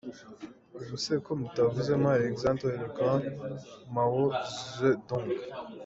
Ubu se ko mutavuzemo Alexandre le Grand, Mao Ze Dong.